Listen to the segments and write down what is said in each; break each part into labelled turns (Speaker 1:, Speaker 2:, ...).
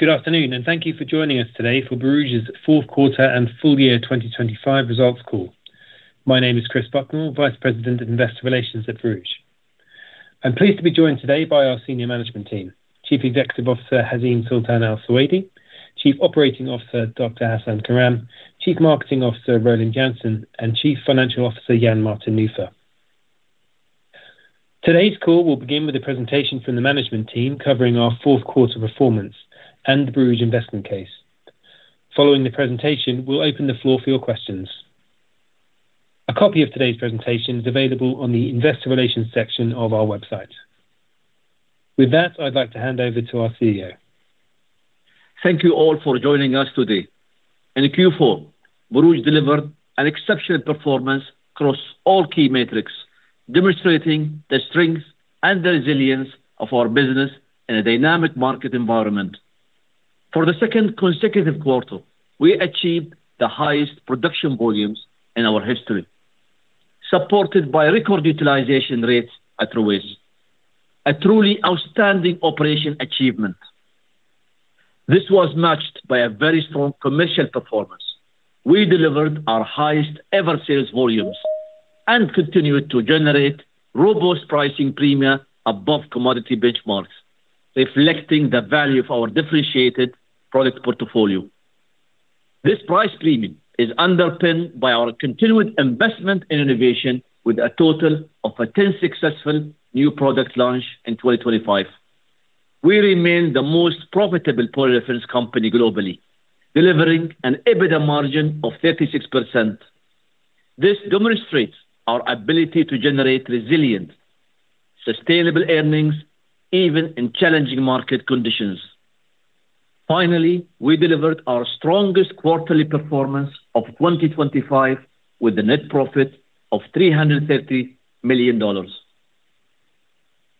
Speaker 1: Good afternoon and thank you for joining us today for Borouge's fourth quarter and full year 2025 results call. My name is Chris Bucknall, Vice President of Investor Relations at Borouge. I'm pleased to be joined today by our senior management team, Chief Executive Officer Hazeem Sultan Al Suwaidi, Chief Operating Officer Dr. Hasan Karam, Chief Marketing Officer Roland Janssen, and Chief Financial Officer Jan-Martin Nufer. Today's call will begin with a presentation from the Management Team covering our fourth quarter performance and the Borouge investment case. Following the presentation, we'll open the floor for your questions. A copy of today's presentation is available on the Investor Relations section of our website. With that, I'd like to hand over to our CEO.
Speaker 2: Thank you all for joining us today. In Q4, Borouge delivered an exceptional performance across all key metrics, demonstrating the strength and the resilience of our business in a dynamic market environment. For the second consecutive quarter, we achieved the highest production volumes in our history, supported by record utilization rates at Ruwais, a truly outstanding operation achievement. This was matched by a very strong commercial performance. We delivered our highest-ever sales volumes and continued to generate robust pricing premia above commodity benchmarks, reflecting the value of our differentiated product portfolio. This price premium is underpinned by our continued investment in innovation, with a total of 10 successful new product launches in 2025. We remain the most profitable polyolefin company globally, delivering an EBITDA margin of 36%. This demonstrates our ability to generate resilient, sustainable earnings even in challenging market conditions. Finally, we delivered our strongest quarterly performance of 2025, with a net profit of $330 million.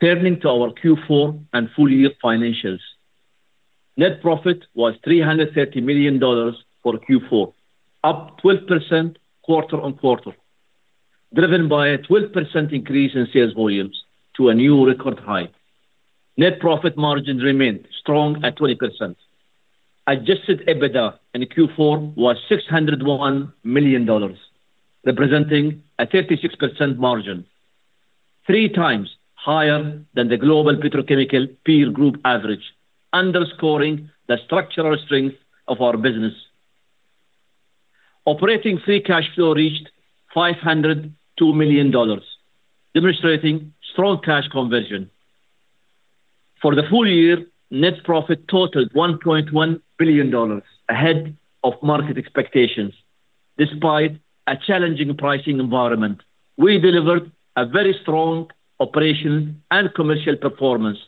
Speaker 2: Turning to our Q4 and full year financials, net profit was $330 million for Q4, up 12% quarter-over-quarter, driven by a 12% increase in sales volumes to a new record high. Net profit margin remained strong at 20%. Adjusted EBITDA in Q4 was $601 million, representing a 36% margin, three times higher than the global petrochemical peer group average, underscoring the structural strength of our business. Operating free cash flow reached $502 million, demonstrating strong cash conversion. For the full year, net profit totaled $1.1 billion, ahead of market expectations. Despite a challenging pricing environment, we delivered a very strong operational and commercial performance,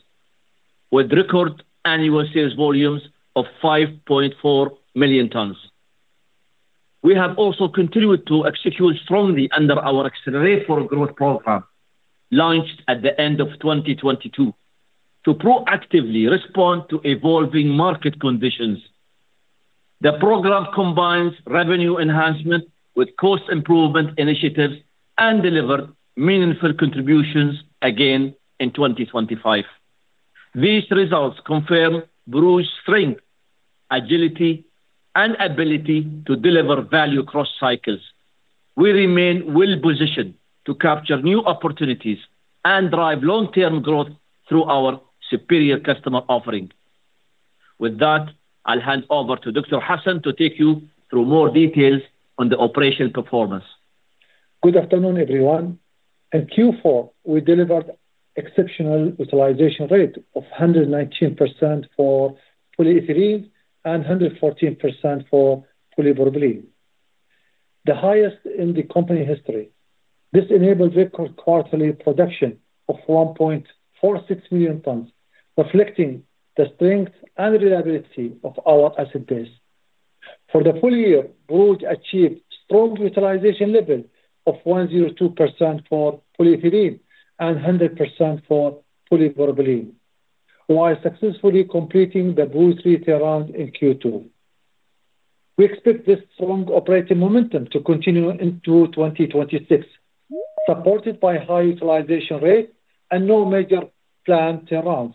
Speaker 2: with record annual sales volumes of 5.4 million tons. We have also continued to execute strongly under our Accelerate for Growth program, launched at the end of 2022, to proactively respond to evolving market conditions. The program combines revenue enhancement with cost improvement initiatives and delivered meaningful contributions again in 2025. These results confirm Borouge's strength, agility, and ability to deliver value across cycles. We remain well-positioned to capture new opportunities and drive long-term growth through our superior customer offering. With that, I'll hand over to Dr. Hasan to take you through more details on the operational performance.
Speaker 3: Good afternoon, everyone. In Q4, we delivered an exceptional utilization rate of 119% for polyethylene and 114% for polypropylene, the highest in the company history. This enabled record quarterly production of 1.46 million tons, reflecting the strength and reliability of our asset base. For the full year, Borouge achieved a strong utilization level of 102% for polyethylene and 100% for polypropylene, while successfully completing the Borouge turnaround in Q2. We expect this strong operating momentum to continue into 2026, supported by high utilization rates and no major planned turnarounds.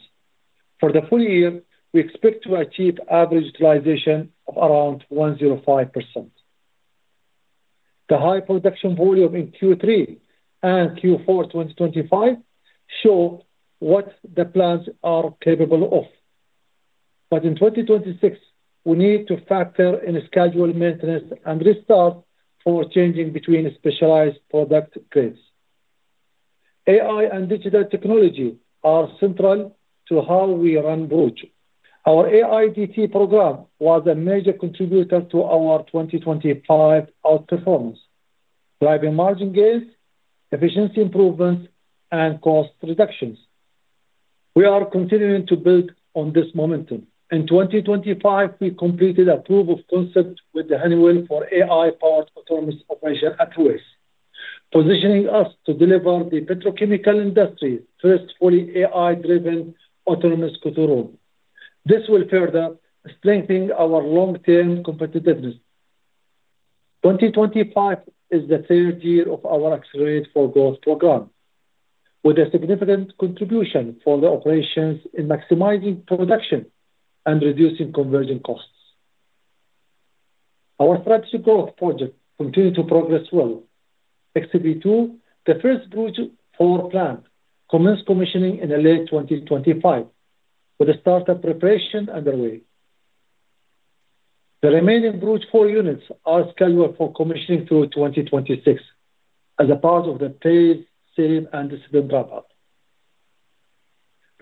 Speaker 3: For the full year, we expect to achieve an average utilization of around 105%. The high production volume in Q3 and Q4 2025 shows what the plants are capable of, but in 2026, we need to factor in scheduled maintenance and restarts for changing between specialized product grades. AI and digital technology are central to how we run Borouge. Our AIDT program was a major contributor to our 2025 outperformance, driving margin gains, efficiency improvements, and cost reductions. We are continuing to build on this momentum. In 2025, we completed a proof of concept with Honeywell for AI-powered autonomous operation at Ruwais, positioning us to deliver the petrochemical industry's first fully AI-driven autonomous control room. This will further strengthen our long-term competitiveness. 2025 is the third year of our Accelerate for Growth program, with a significant contribution for the operations in maximizing production and reducing conversion costs. Our strategic growth project continues to progress well. XLPE 2, the first Borouge 4 plant, commenced commissioning in late 2025, with startup preparations underway. The remaining Borouge 4 units are scheduled for commissioning through 2026 as a part of the Phase 1 and 2 rollout.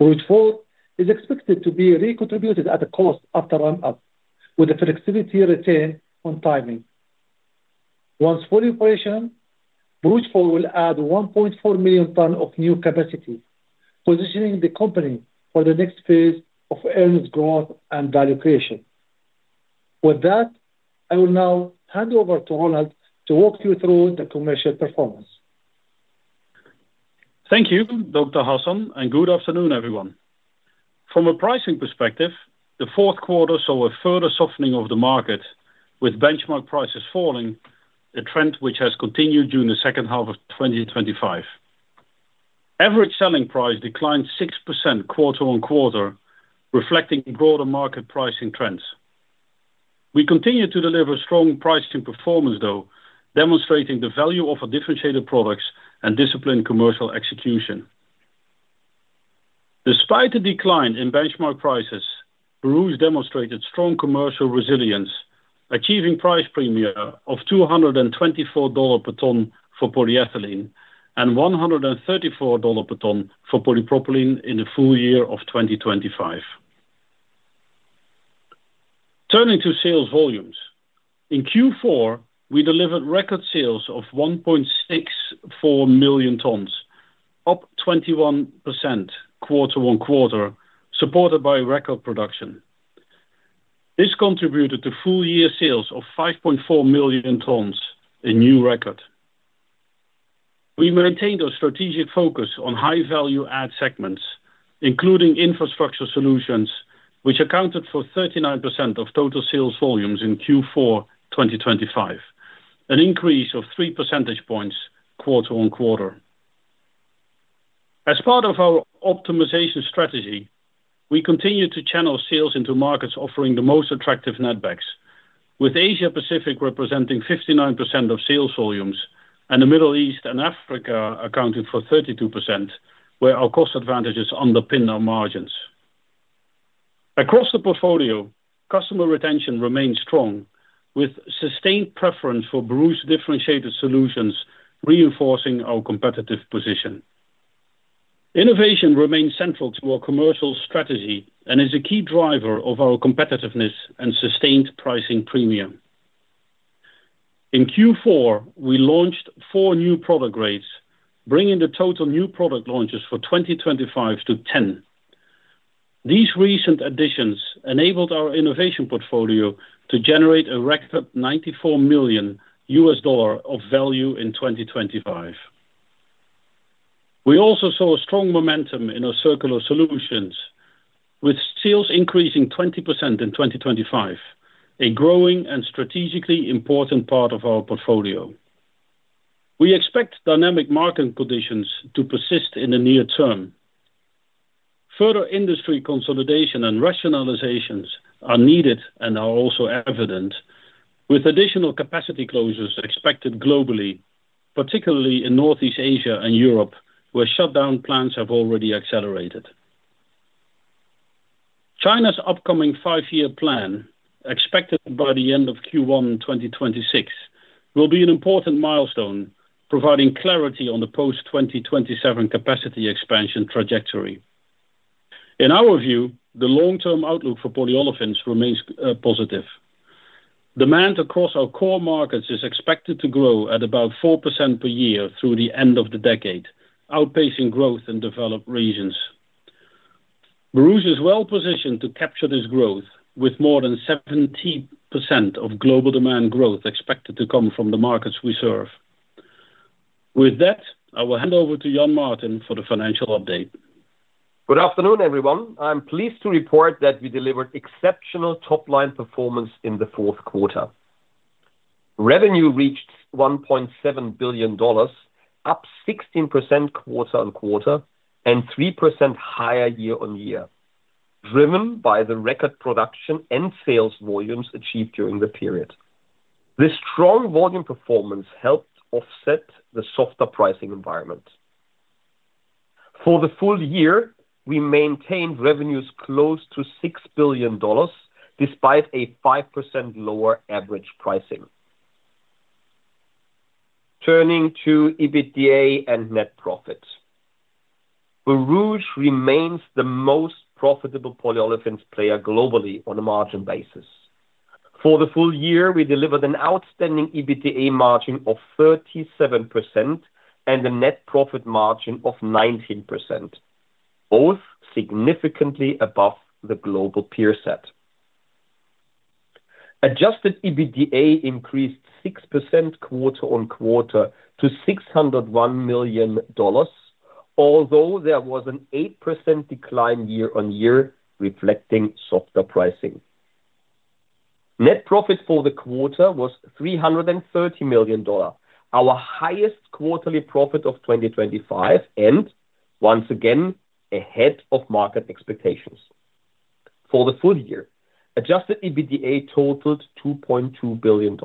Speaker 3: Borouge 4 is expected to be contributory at a cost after ramp-up, with flexibility retained on timing. Once fully operational, Borouge 4 will add 1.4 million tons of new capacity, positioning the company for the next phase of earnings growth and value creation. With that, I will now hand over to Roland to walk you through the commercial performance.
Speaker 4: Thank you, Dr. Hasan, and good afternoon, everyone. From a pricing perspective, the fourth quarter saw a further softening of the market, with benchmark prices falling, a trend which has continued during the second half of 2025. Average selling price declined 6% quarter-on-quarter, reflecting broader market pricing trends. We continue to deliver strong pricing performance, though, demonstrating the value of our differentiated products and disciplined commercial execution. Despite the decline in benchmark prices, Borouge demonstrated strong commercial resilience, achieving price premia of $224 per ton for polyethylene and $134 per ton for polypropylene in the full year of 2025. Turning to sales volumes, in Q4, we delivered record sales of 1.64 million tons, up 21% quarter-on-quarter, supported by record production. This contributed to full-year sales of 5.4 million tons, a new record. We maintained our strategic focus on high-value add segments, including infrastructure solutions, which accounted for 39% of total sales volumes in Q4 2025, an increase of 3 percentage points quarter-on-quarter. As part of our optimization strategy, we continue to channel sales into markets offering the most attractive netbacks, with Asia-Pacific representing 59% of sales volumes and the Middle East and Africa accounting for 32%, where our cost advantages underpin our margins. Across the portfolio, customer retention remains strong, with sustained preference for Borouge differentiated solutions reinforcing our competitive position. Innovation remains central to our commercial strategy and is a key driver of our competitiveness and sustained pricing premium. In Q4, we launched four new product grades, bringing the total new product launches for 2025 to 10. These recent additions enabled our innovation portfolio to generate a record $94 million of value in 2025. We also saw a strong momentum in our circular solutions, with sales increasing 20% in 2025, a growing and strategically important part of our portfolio. We expect dynamic market conditions to persist in the near term. Further industry consolidation and rationalizations are needed and are also evident, with additional capacity closures expected globally, particularly in Northeast Asia and Europe, where shutdown plans have already accelerated. China's upcoming five-year plan, expected by the end of Q1 2026, will be an important milestone, providing clarity on the post-2027 capacity expansion trajectory. In our view, the long-term outlook for polyolefins remains positive. Demand across our core markets is expected to grow at about 4% per year through the end of the decade, outpacing growth in developed regions. Borouge is well-positioned to capture this growth, with more than 70% of global demand growth expected to come from the markets we serve. With that, I will hand over to Jan-Martin for the financial update.
Speaker 5: Good afternoon, everyone. I'm pleased to report that we delivered exceptional top-line performance in the fourth quarter. Revenue reached $1.7 billion, up 16% quarter-on-quarter and 3% higher year-on-year, driven by the record production and sales volumes achieved during the period. This strong volume performance helped offset the softer pricing environment. For the full year, we maintained revenues close to $6 billion, despite a 5% lower average pricing. Turning to EBITDA and net profit, Borouge remains the most profitable polyolefins player globally on a margin basis. For the full year, we delivered an outstanding EBITDA margin of 37% and a net profit margin of 19%, both significantly above the global peer set. Adjusted EBITDA increased 6% quarter-on-quarter to $601 million, although there was an 8% decline year-on-year, reflecting softer pricing. Net profit for the quarter was $330 million, our highest quarterly profit of 2025 and, once again, ahead of market expectations. For the full year, adjusted EBITDA totaled $2.2 billion.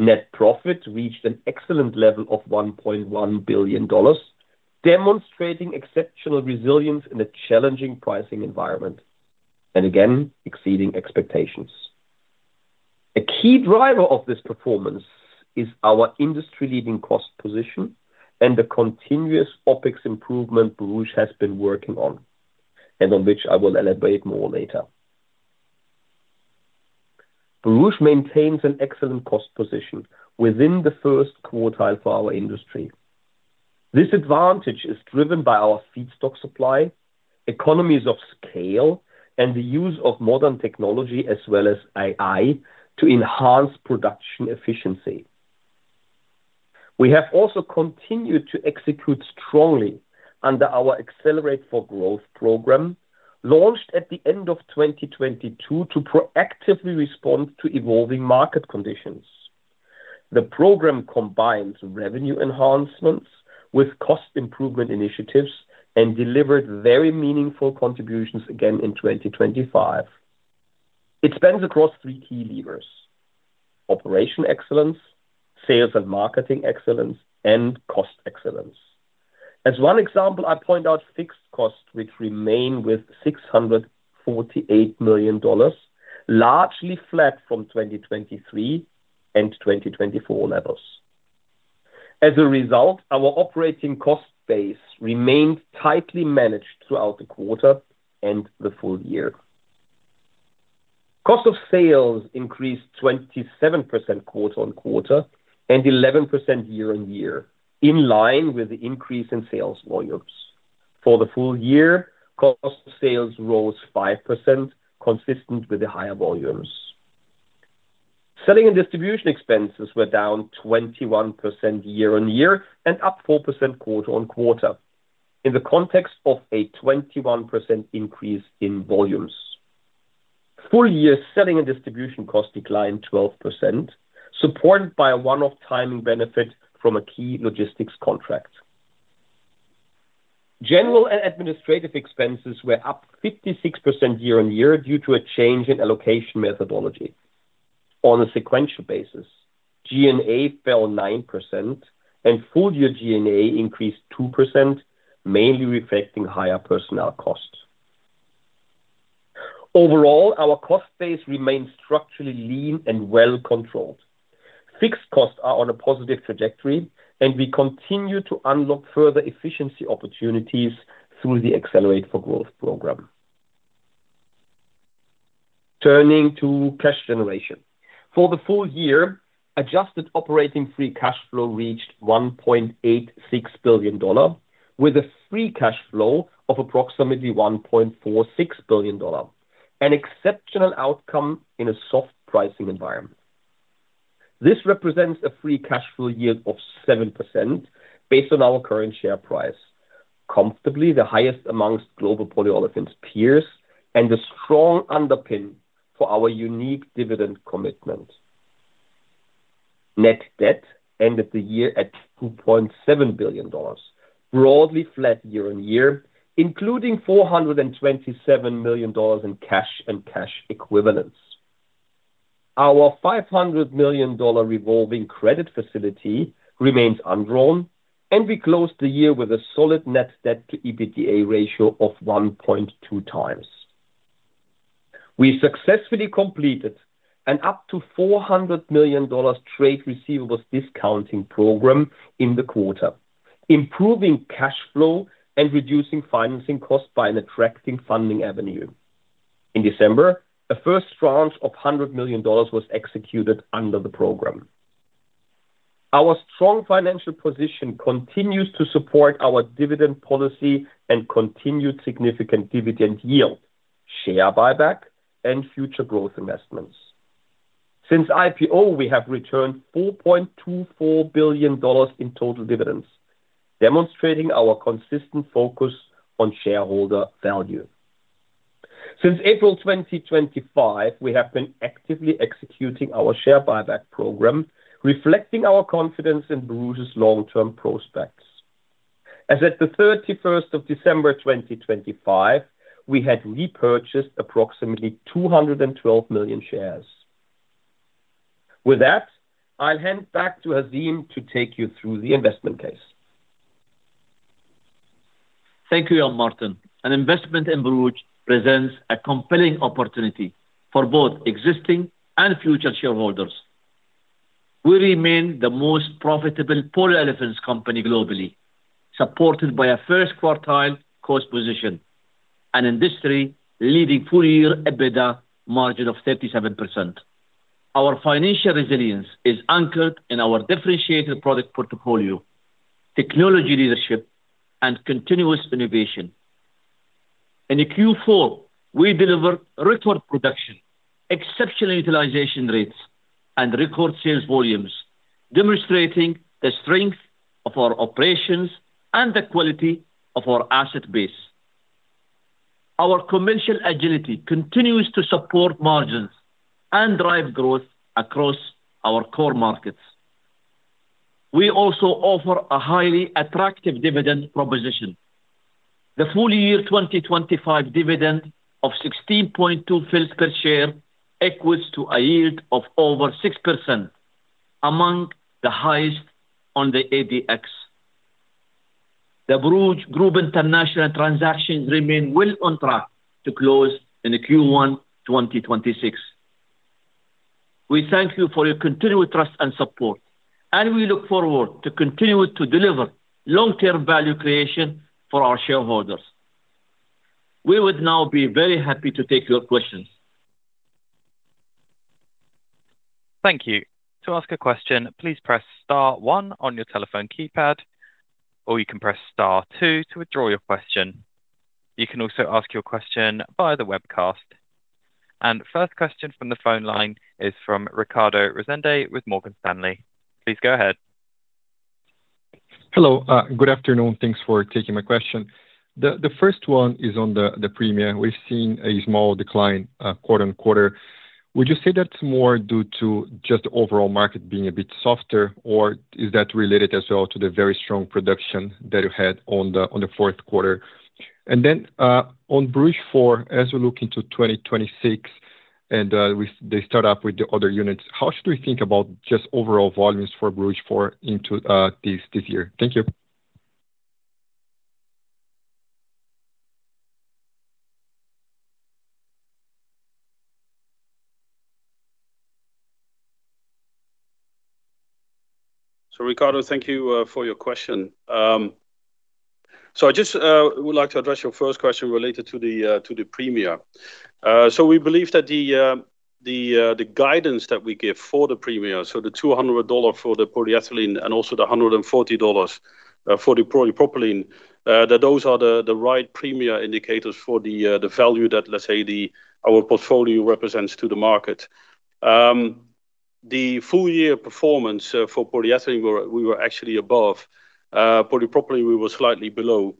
Speaker 5: Net profit reached an excellent level of $1.1 billion, demonstrating exceptional resilience in a challenging pricing environment and, again, exceeding expectations. A key driver of this performance is our industry-leading cost position and the continuous OpEx improvement Borouge has been working on, and on which I will elaborate more later. Borouge maintains an excellent cost position within the first quartile for our industry. This advantage is driven by our feedstock supply, economies of scale, and the use of modern technology as well as AI to enhance production efficiency. We have also continued to execute strongly under our Accelerate for Growth program, launched at the end of 2022 to proactively respond to evolving market conditions. The program combines revenue enhancements with cost improvement initiatives and delivered very meaningful contributions again in 2025. It spans across three key levers: operational excellence, sales and marketing excellence, and cost excellence. As one example, I point out fixed costs, which remain with $648 million, largely flat from 2023 and 2024 levels. As a result, our operating cost base remained tightly managed throughout the quarter and the full year. Cost of sales increased 27% quarter-on-quarter and 11% year-on-year, in line with the increase in sales volumes. For the full year, cost of sales rose 5%, consistent with the higher volumes. Selling and distribution expenses were down 21% year-on-year and up 4% quarter-on-quarter, in the context of a 21% increase in volumes. Full-year selling and distribution costs declined 12%, supported by a one-off timing benefit from a key logistics contract. General and administrative expenses were up 56% year-on-year due to a change in allocation methodology. On a sequential basis, G&A fell 9%, and full-year G&A increased 2%, mainly reflecting higher personnel costs. Overall, our cost base remains structurally lean and well-controlled. Fixed costs are on a positive trajectory, and we continue to unlock further efficiency opportunities through the Accelerate for Growth program. Turning to cash generation, for the full year, adjusted operating free cash flow reached $1.86 billion, with a free cash flow of approximately $1.46 billion, an exceptional outcome in a soft pricing environment. This represents a free cash flow yield of 7% based on our current share price, comfortably the highest amongst global polyolefins peers and a strong underpin for our unique dividend commitment. Net debt ended the year at $2.7 billion, broadly flat year-on-year, including $427 million in cash and cash equivalents. Our $500 million revolving credit facility remains undrawn, and we closed the year with a solid net debt-to-EBITDA ratio of 1.2x. We successfully completed an up-to-$400 million trade receivables discounting program in the quarter, improving cash flow and reducing financing costs by an attractive funding avenue. In December, a first tranche of $100 million was executed under the program. Our strong financial position continues to support our dividend policy and continued significant dividend yield, share buyback, and future growth investments. Since IPO, we have returned $4.24 billion in total dividends, demonstrating our consistent focus on shareholder value. Since April 2025, we have been actively executing our share buyback program, reflecting our confidence in Borouge's long-term prospects. As of the 31st of December 2025, we had repurchased approximately 212 million shares. With that, I'll hand back to Hazeem to take you through the investment case.
Speaker 2: Thank you, Jan-Martin. An investment in Borouge presents a compelling opportunity for both existing and future shareholders. We remain the most profitable polyolefins company globally, supported by a first-quartile cost position, an industry-leading full-year EBITDA margin of 37%. Our financial resilience is anchored in our differentiated product portfolio, technology leadership, and continuous innovation. In Q4, we delivered record production, exceptional utilization rates, and record sales volumes, demonstrating the strength of our operations and the quality of our asset base. Our commercial agility continues to support margins and drive growth across our core markets. We also offer a highly attractive dividend proposition. The full-year 2025 dividend of 0.162 per share equates to a yield of over 6%, among the highest on the ADX. The Borouge Group International transactions remain well on track to close in Q1 2026. We thank you for your continued trust and support, and we look forward to continuing to deliver long-term value creation for our shareholders. We would now be very happy to take your questions.
Speaker 6: Thank you. To ask a question, please press star one on your telephone keypad, or you can press star two to withdraw your question. You can also ask your question via the webcast. First question from the phone line is from Ricardo Rezende with Morgan Stanley. Please go ahead.
Speaker 7: Hello. Good afternoon. Thanks for taking my question. The first one is on the premium. We've seen a small decline quarter-on-quarter. Would you say that's more due to just the overall market being a bit softer, or is that related as well to the very strong production that you had on the fourth quarter? And then on Borouge 4, as we look into 2026 and they start up with the other units, how should we think about just overall volumes for Borouge 4 this year? Thank you.
Speaker 4: So, Ricardo, thank you for your question. So I just would like to address your first question related to the premium. So we believe that the guidance that we give for the premium, so the $200 for the polyethylene and also the $140 for the polypropylene, that those are the right premium indicators for the value that, let's say, our portfolio represents to the market. The full-year performance for polyethylene, we were actually above. polypropylene, we were slightly below.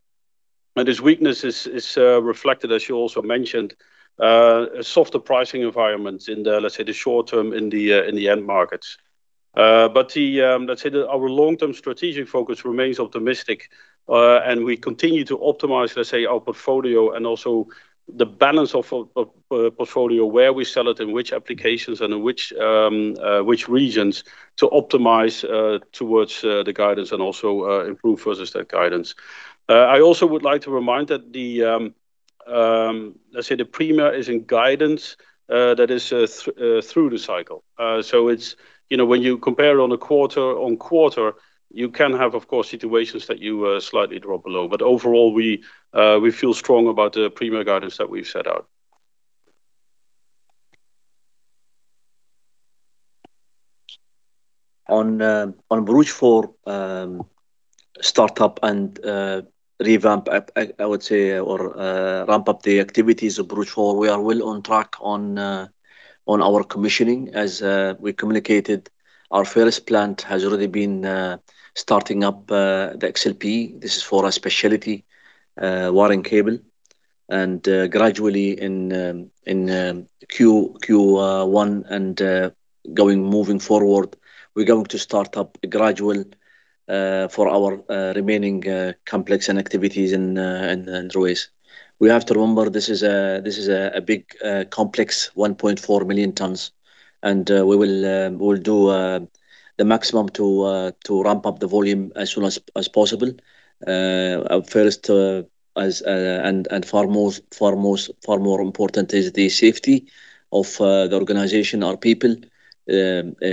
Speaker 4: And this weakness is reflected, as you also mentioned, a softer pricing environment in, let's say, the short term in the end markets. But let's say that our long-term strategic focus remains optimistic, and we continue to optimize, let's say, our portfolio and also the balance of portfolio, where we sell it, in which applications, and in which regions to optimize towards the guidance and also improve versus that guidance. I also would like to remind that, let's say, the premium guidance is through the cycle. So when you compare on a quarter-over-quarter, you can have, of course, situations that you slightly drop below. But overall, we feel strong about the premium guidance that we've set out.
Speaker 3: On Borouge 4 startup and revamp, I would say, or ramp up the activities of Borouge 4, we are well on track on our commissioning. As we communicated, our first plant has already been starting up the XLPE. This is for a specialty wiring cable. And gradually, in Q1 and moving forward, we're going to start up gradual for our remaining complex and activities in Ruwais. We have to remember this is a big complex 1.4 million tons, and we will do the maximum to ramp up the volume as soon as possible. And far more important is the safety of the organization, our people.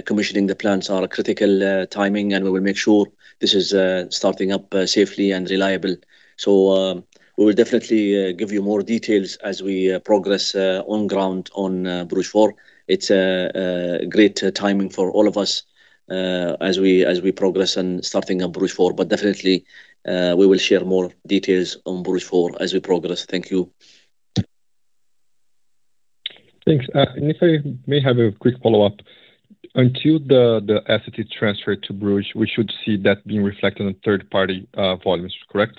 Speaker 3: Commissioning the plants are critical timing, and we will make sure this is starting up safely and reliable. So we will definitely give you more details as we progress on ground on Borouge 4. It's great timing for all of us as we progress on starting up Borouge 4. But definitely, we will share more details on Borouge 4 as we progress. Thank you.
Speaker 7: Thanks. If I may have a quick follow-up, until the asset is transferred to Borouge, we should see that being reflected on third-party volumes, correct?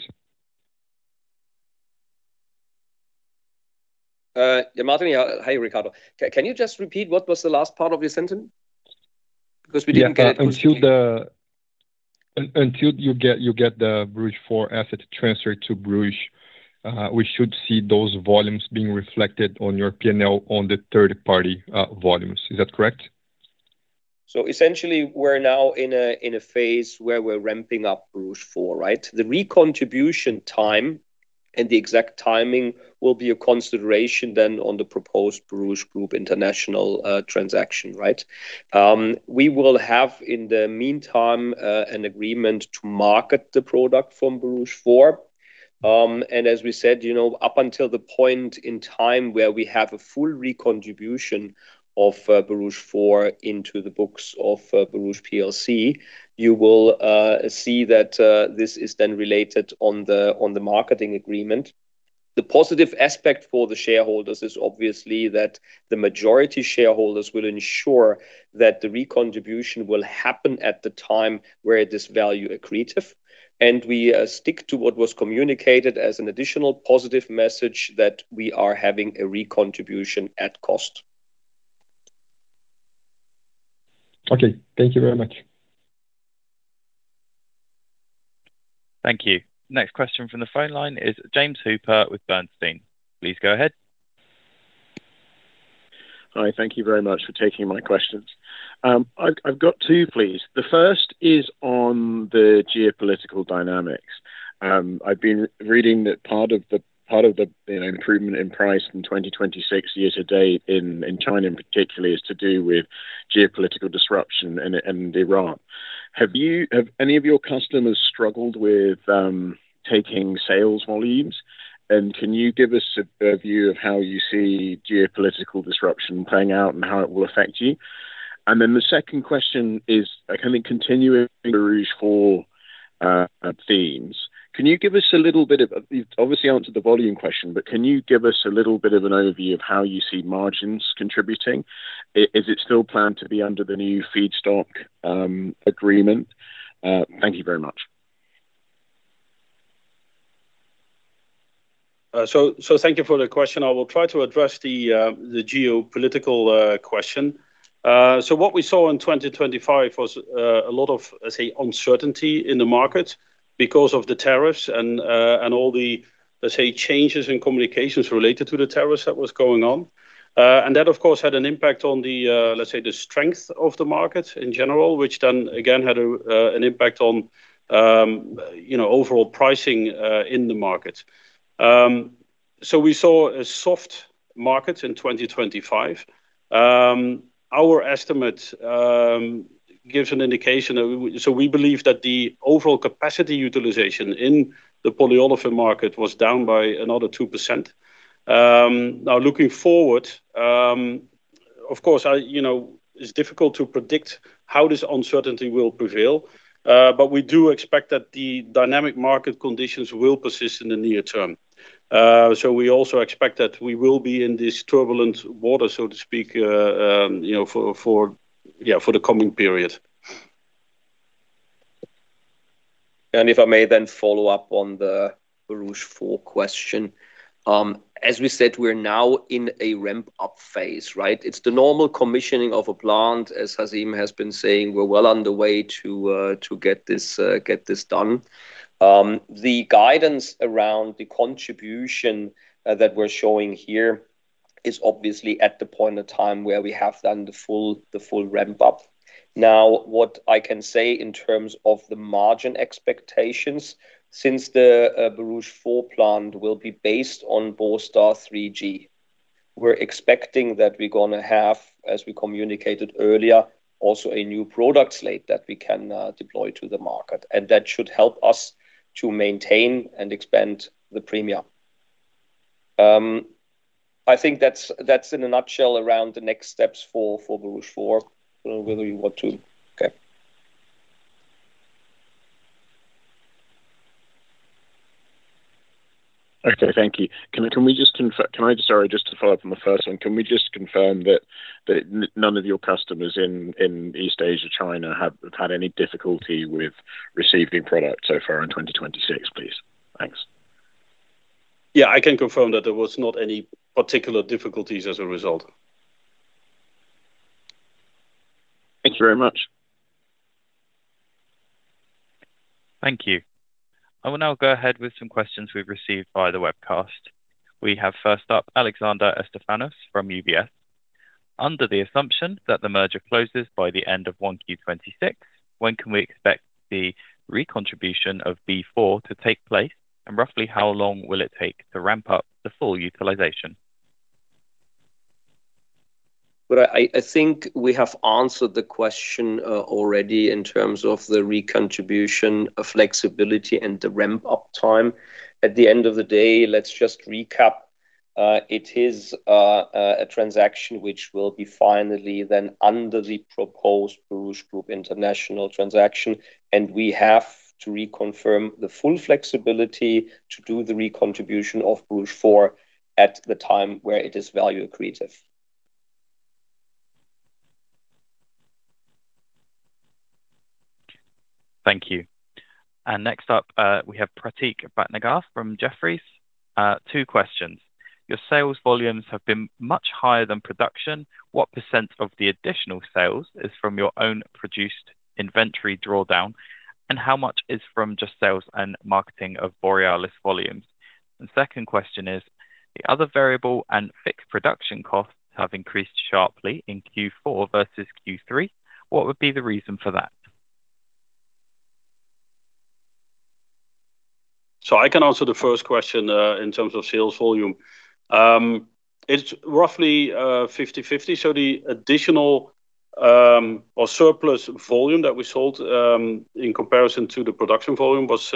Speaker 5: Jan-Martin, hi Ricardo. Can you just repeat what was the last part of your sentence? Because we didn't get it completely.
Speaker 7: Yeah. Until you get the Borouge 4 asset transferred to Borouge, we should see those volumes being reflected on your P&L on the third-party volumes. Is that correct?
Speaker 5: Essentially, we're now in a phase where we're ramping up Borouge 4, right? The recontribution time and the exact timing will be a consideration then on the proposed Borouge Group International transaction, right? We will have, in the meantime, an agreement to market the product from Borouge 4. As we said, up until the point in time where we have a full recontribution of Borouge 4 into the books of Borouge PLC, you will see that this is then related on the marketing agreement. The positive aspect for the shareholders is obviously that the majority shareholders will ensure that the recontribution will happen at the time where it is value accretive. We stick to what was communicated as an additional positive message that we are having a recontribution at cost.
Speaker 7: Okay. Thank you very much.
Speaker 6: Thank you. Next question from the phone line is James Hooper with Bernstein. Please go ahead.
Speaker 8: Hi. Thank you very much for taking my questions. I've got two, please. The first is on the geopolitical dynamics. I've been reading that part of the improvement in price in 2026, year to date, in China in particular, is to do with geopolitical disruption and Iran. Have any of your customers struggled with taking sales volumes? And can you give us a view of how you see geopolitical disruption playing out and how it will affect you? And then the second question is, I think, continuing Borouge 4 themes. Can you give us a little bit of—you've obviously answered the volume question, but can you give us a little bit of an overview of how you see margins contributing? Is it still planned to be under the new feedstock agreement? Thank you very much.
Speaker 4: So thank you for the question. I will try to address the geopolitical question. So what we saw in 2025 was a lot of, let's say, uncertainty in the markets because of the tariffs and all the, let's say, changes in communications related to the tariffs that was going on. And that, of course, had an impact on, let's say, the strength of the markets in general, which then, again, had an impact on overall pricing in the markets. So we saw a soft market in 2025. Our estimate gives an indication that we believe that the overall capacity utilization in the polyolefin market was down by another 2%. Now, looking forward, of course, it's difficult to predict how this uncertainty will prevail. But we do expect that the dynamic market conditions will persist in the near term. So we also expect that we will be in this turbulent water, so to speak, for the coming period.
Speaker 5: If I may then follow up on the Borouge 4 question. As we said, we're now in a ramp-up phase, right? It's the normal commissioning of a plant. As Hazeem has been saying, we're well on the way to get this done. The guidance around the contribution that we're showing here is obviously at the point in time where we have done the full ramp-up. Now, what I can say in terms of the margin expectations, since the Borouge 4 plant will be based on Borstar 3G, we're expecting that we're going to have, as we communicated earlier, also a new product slate that we can deploy to the market. And that should help us to maintain and expand the premium. I think that's, in a nutshell, around the next steps for Borouge 4, whether you want to.
Speaker 8: Okay. Okay. Thank you. Just to follow up on the first one, can we just confirm that none of your customers in East Asia, China, have had any difficulty with receiving product so far in 2026, please? Thanks.
Speaker 2: Yeah. I can confirm that there was not any particular difficulties as a result.
Speaker 8: Thank you very much.
Speaker 6: Thank you. I will now go ahead with some questions we've received via the webcast. We have, first up, Alexandre Estefanos from UBS. Under the assumption that the merger closes by the end of 1Q 2026, when can we expect the recontribution of B4 to take place, and roughly how long will it take to ramp up the full utilization?
Speaker 2: Well, I think we have answered the question already in terms of the recontribution flexibility and the ramp-up time. At the end of the day, let's just recap. It is a transaction which will be finally then under the proposed Borouge Group International transaction. We have to reconfirm the full flexibility to do the recontribution of Borouge 4 at the time where it is value accretive.
Speaker 6: Thank you. Next up, we have Prateek Bhatnagar from Jefferies. Two questions. Your sales volumes have been much higher than production. What % of the additional sales is from your own produced inventory drawdown, and how much is from just sales and marketing of Borealis volumes? Second question is, the other variable and fixed production costs have increased sharply in Q4 versus Q3. What would be the reason for that?
Speaker 5: I can answer the first question in terms of sales volume. It's roughly 50/50. The additional or surplus volume that we sold in comparison to the production volume was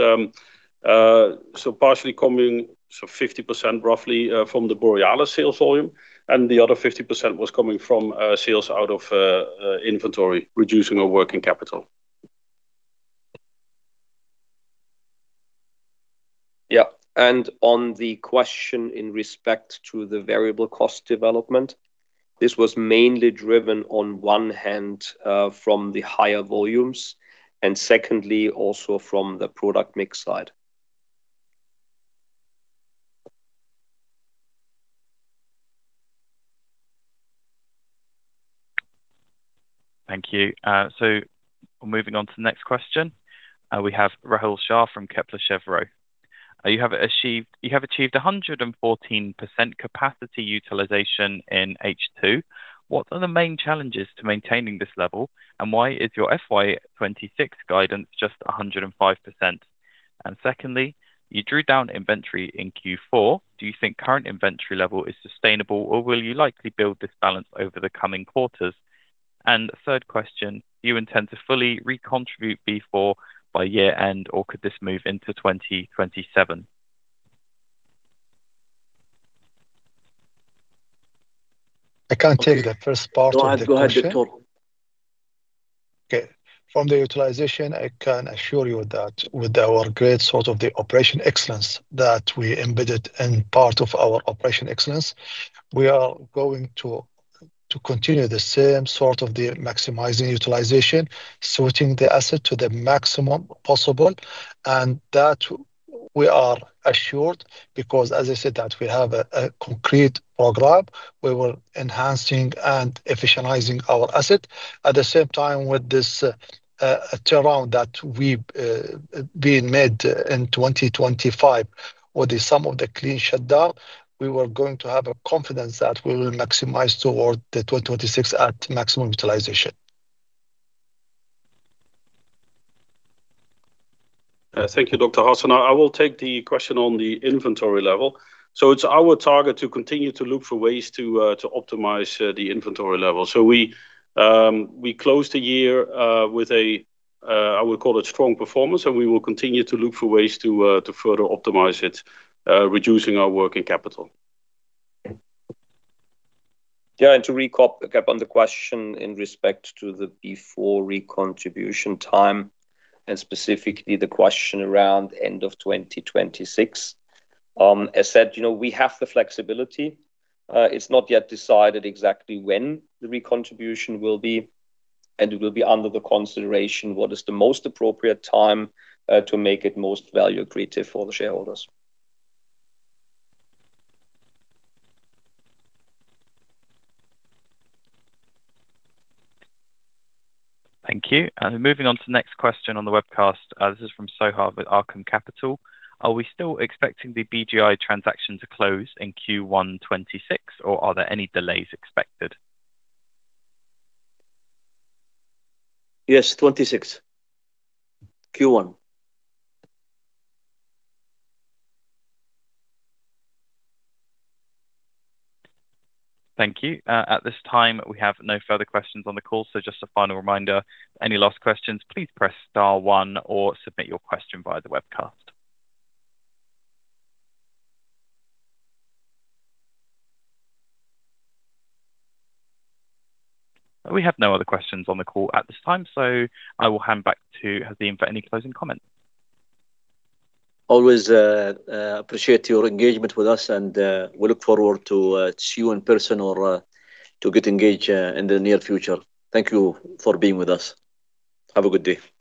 Speaker 5: partially coming, so 50% roughly from the Borealis sales volume, and the other 50% was coming from sales out of inventory, reducing our working capital.
Speaker 2: Yeah. On the question in respect to the variable cost development, this was mainly driven on one hand from the higher volumes and secondly, also from the product mix side.
Speaker 6: Thank you. So we're moving on to the next question. We have Rahul Shah from Kepler Cheuvreux. You have achieved 114% capacity utilization in H2. What are the main challenges to maintaining this level, and why is your FY 2026 guidance just 105%? And secondly, you drew down inventory in Q4. Do you think current inventory level is sustainable, or will you likely build this balance over the coming quarters? And third question, do you intend to fully commission B4 by year-end, or could this move into 2027?
Speaker 3: I can take the first part of the question.
Speaker 5: No, go ahead, Dr.
Speaker 3: Okay. From the utilization, I can assure you that with our great sort of the operational excellence that we embedded in part of our operational excellence, we are going to continue the same sort of the maximizing utilization, sweating the asset to the maximum possible. That we are assured because, as I said, that we have a concrete program. We were enhancing and efficientizing our asset. At the same time, with this turnaround that we've been made in 2025 with the sum of the clean shutdown, we were going to have a confidence that we will maximize toward the 2026 at maximum utilization.
Speaker 5: Thank you, Dr. Hasan. Now, I will take the question on the inventory level. So it's our target to continue to look for ways to optimize the inventory level. So we closed the year with a, I would call it, strong performance, and we will continue to look for ways to further optimize it, reducing our working capital.
Speaker 2: Yeah. To recap on the question in respect to the B4 recontribution time and specifically the question around end of 2026. As said, we have the flexibility. It's not yet decided exactly when the recontribution will be. It will be under the consideration what is the most appropriate time to make it most value accretive for the shareholders.
Speaker 6: Thank you. And moving on to the next question on the webcast. This is from Sohaib with Arqaam Capital. Are we still expecting the BGI transaction to close in Q1 2026, or are there any delays expected?
Speaker 3: Yes, 2026 Q1.
Speaker 6: Thank you. At this time, we have no further questions on the call. So just a final reminder, any last questions, please press star one or submit your question via the webcast. We have no other questions on the call at this time. So I will hand back to Hazeem for any closing comments.
Speaker 2: Always appreciate your engagement with us, and we look forward to see you in person or to get engaged in the near future. Thank you for being with us. Have a good day.